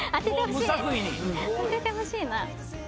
当ててほしい！